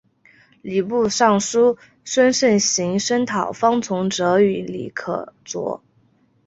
礼部尚书孙慎行声讨方从哲与李可灼。